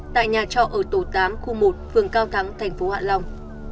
tại nhà trọ ở tổ tám khu một phường cao thắng thành phố hạ long